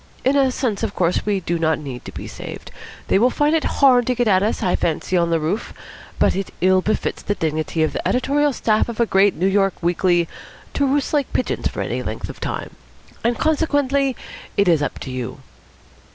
In a sense, of course, we do not need to be saved. They will find it hard to get at us, I fancy, on the roof. But it ill befits the dignity of the editorial staff of a great New York weekly to roost like pigeons for any length of time; and consequently it is up to you."